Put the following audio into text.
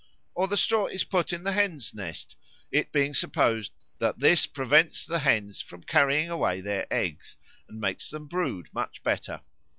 Or the straw is put in the hens' nest, it being supposed that this prevents the hens from carrying away their eggs, and makes them brood much better.